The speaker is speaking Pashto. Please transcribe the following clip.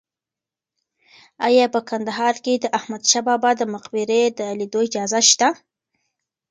ایا په کندهار کې د احمد شاه بابا د مقبرې د لیدو اجازه شته؟